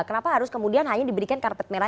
kenapa harus kemudian hanya diberikan karpet merah